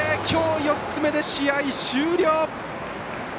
きょう４つ目で試合終了。